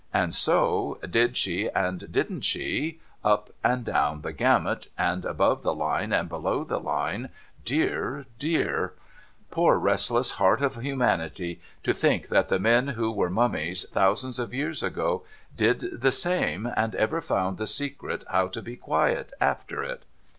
And so, Did she and Didn't she, up and down the gamut, and above the line and below the line, dear, dear ! Poor restless heart of humanity ! To think that the men who were mummies thousands of years ago, did the same, and ever found the secret how to be quiet after it